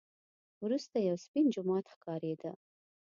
وروسته یو سپین جومات ښکارېده.